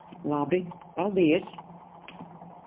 Labi. Paldies.